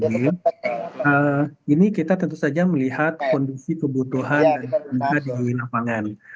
ini kita tentu saja melihat kondisi kebutuhan dan juga di lapangan